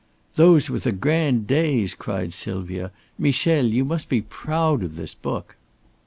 "Those were the grand days," cried Sylvia. "Michel, you must be proud of this book."